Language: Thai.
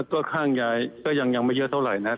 ก็ข้างยายก็ยังไม่เยอะเท่าไหร่นัก